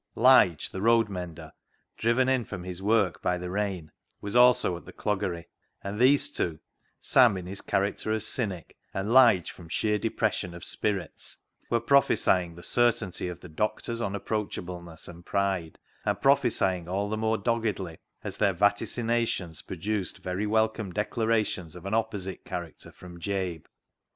Lige, the road mender, driven in from his work by the rain, was also at the cloggery, and these two — Sam in his character of cynic, and 255 2S6 CLOG SHOP CHRONICLES Lige from sheer depression of spirits — were prophesying the certainty of the doctor's un approachableness and pride, and prophesying all the more doggedly as their vaticinations produced very welcome declarations of an opposite character from Jabe.